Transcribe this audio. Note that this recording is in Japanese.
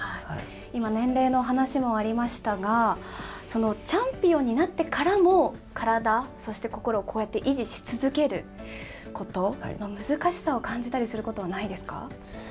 今、年齢の話もありましたが、チャンピオンになってからも、体、そして心をこうやって維持し続けることの難しさを感じたりすることはないですか。